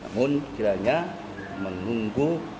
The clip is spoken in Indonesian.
namun kiranya menunggu